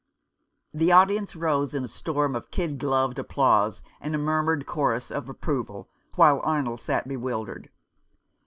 The audience rose in a storm of kid gloved applause, and a murmured chorus of approval, while Arnold sat bewildered.